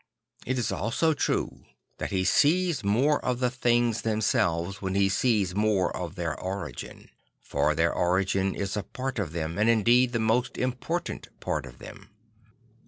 It is also true that he sees more of the things themselves when he sees more of their origin; for their origin is a part of them and indeed the most important part of them.